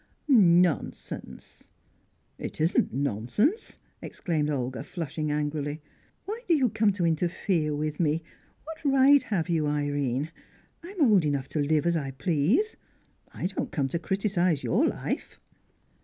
"Nonsense!" "It isn't nonsense!" exclaimed Olga, flushing angrily. "Why do you come to interfere with me? What right have you, Irene? I'm old enough to live as I please. I don't come to criticise your life!"